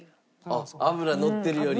あっ脂のってるより。